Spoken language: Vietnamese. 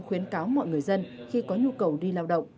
khuyến cáo mọi người dân khi có nhu cầu đi lao động